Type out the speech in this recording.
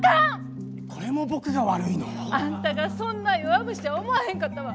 これも僕が悪いの？あんたがそんな弱虫や思わへんかったわ。